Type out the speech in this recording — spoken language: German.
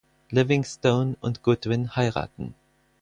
Livingstone und Goodwin heiraten.